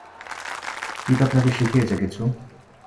পিট আপনাকে শিখিয়েছে কিছু?